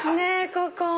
ここ。